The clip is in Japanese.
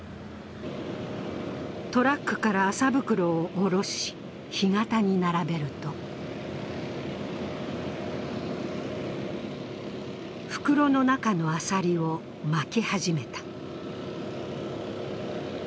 トラックから麻袋を下ろし、干潟に並べると袋の中のアサリをまき始めた。